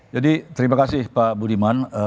jadi terima kasih pak budiman